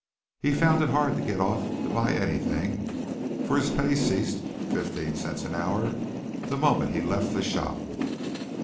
He found it hard to get off to buy anything, for his pay ceased (fifteen cents an hour) the moment he left the shop.